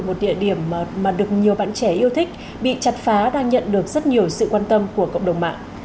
một địa điểm mà được nhiều bạn trẻ yêu thích bị chặt phá đang nhận được rất nhiều sự quan tâm của cộng đồng mạng